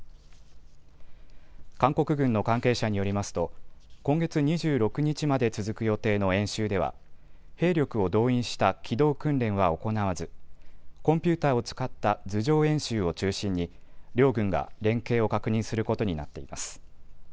韓国軍の関係者によりますと今月２６日まで続く予定の演習では兵力を動員した機動訓練は行わず、コンピューターを使った図上演習を中心に両軍が連携を確認することになっています。